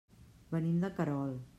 Venim de Querol.